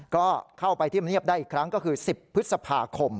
ก็เข้าไปเทียบได้อีกครั้งก็คือ๑๐พฤษภาคม